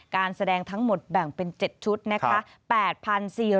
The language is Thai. การแสดงทั้งหมดแบ่งเป็น๗ชุดนะคะ